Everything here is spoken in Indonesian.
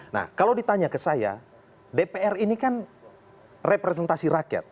nah kalau ditanya ke saya dpr ini kan representasi rakyat